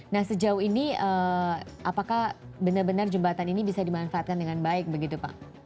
nah sejauh ini apakah benar benar jembatan ini bisa dimanfaatkan dengan baik begitu pak